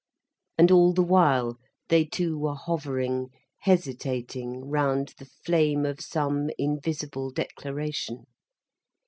And all the while they two were hovering, hesitating round the flame of some invisible declaration.